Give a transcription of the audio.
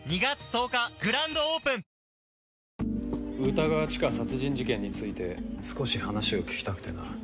歌川チカ殺人事件について少し話を聞きたくてな。